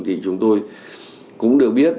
thì chúng tôi cũng được biết